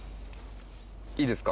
いいですか？